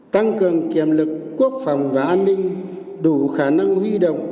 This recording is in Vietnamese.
tăng cường kiểm lực quốc phòng và an ninh đủ khả năng huy động